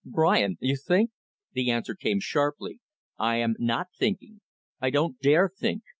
"Brian! You think " The answer came sharply, "I am not thinking. I don't dare think.